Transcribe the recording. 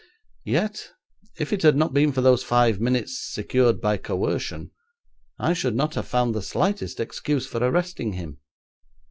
Yet, if it had not been for those five minutes secured by coercion, I should not have found the slightest excuse for arresting him.